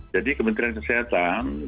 jadi kementerian kesehatan